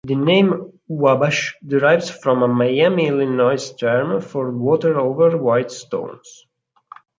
The name Wabash derives from a Miami-Illinois term for water over white stones.